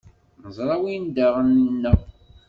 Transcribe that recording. Neẓra win d aɣan-nneɣ.